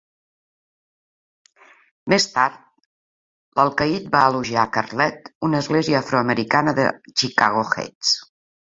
Més tard l'alcaid va elogiar Catlett en una església afroamericana de Chicago Heights.